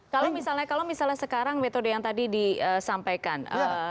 kalau misalnya sekarang metode yang tadi disampaikan